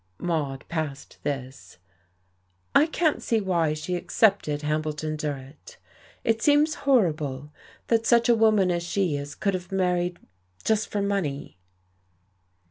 Maude passed this. "I can't see why she accepted Hambleton Durrett. It seems horrible that such a woman as she is could have married just for money.